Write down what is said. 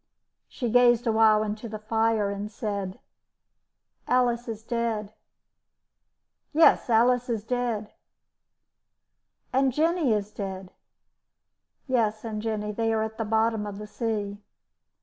She gazed a while into the fire and said: "Alice is dead." "Yes, Alice is dead." "And Jenny is dead." "Yes, and Jenny. They are at the bottom of the sea."